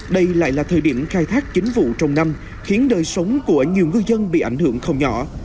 đây lại là thời điểm khai thác chính vụ trong năm khiến đời sống của nhiều ngư dân bị ảnh hưởng không nhỏ